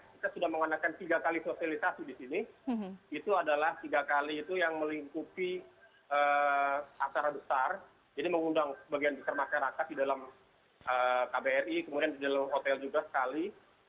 kita sudah menganakan tiga kali sosialisasi di sini itu adalah tiga kali itu yang melingkupi acara besar jadi mengundang bagian besar masyarakat di dalam kbri kemudian di dalam hotel juga sekali